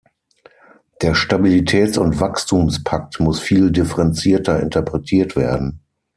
Der Stabilitäts- und Wachstumspakt muss viel differenzierter interpretiert werden.